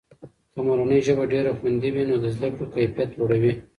که مورنۍ ژبه ډېره خوندي وي، نو د زده کړې کیفیته لوړه وي.